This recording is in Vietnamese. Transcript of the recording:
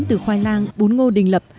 từ khoai lang bún ngô đình lập